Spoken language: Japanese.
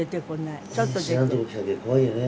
「知らんとこ来たけん怖いよね」